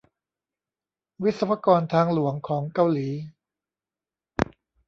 วิศวกรทางหลวงของเกาหลี